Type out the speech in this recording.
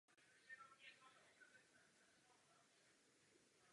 Proto by dobývání dat mělo být založeno na správných datech.